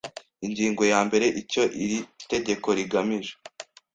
Ingingo ya mbere Icyo iri tegeko rigamije